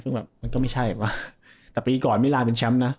ซึ่งแบบมันก็ไม่ใช่วะแต่ปีก่อนมิลานเป็นแชมป์นะ